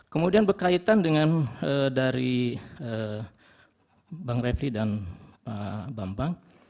kemudian berkaitan dengan dari bang refli dan pak bambang